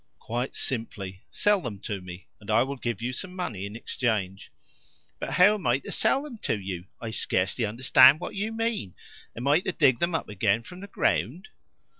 "Quite simply. Sell them to me, and I will give you some money in exchange." "But how am I to sell them to you? I scarcely understand what you mean. Am I to dig them up again from the ground?"